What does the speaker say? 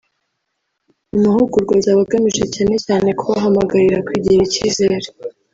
Amahugurwa azaba agamije cyane cyane kubahamagarira kwigirira icyizere